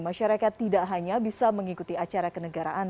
masyarakat tidak hanya bisa mengikuti acara kenegaraan